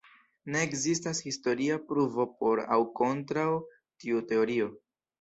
Ne ekzistas historia pruvo por aŭ kontraŭ tiu teorio.